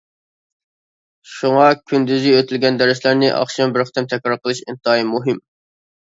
شۇڭا، كۈندۈزى ئۆتۈلگەن دەرسلەرنى ئاخشىمى بىر قېتىم تەكرار قىلىش ئىنتايىن مۇھىم.